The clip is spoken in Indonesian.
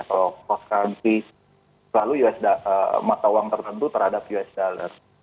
kalau cost currency lalu mata uang tertentu terhadap us dollar